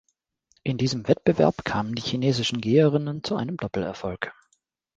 In diesem Wettbewerb kamen die chinesischen Geherinnen zu einem Doppelerfolg.